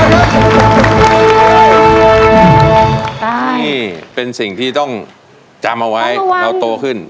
นี่เป็นสิ่งที่ต้องจำเอาไว้เราโตขึ้น